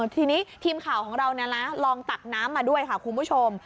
ทีนี้ทีมข่าวของเราลองตักน้ำมาด้วยค่ะคุณผู้ชม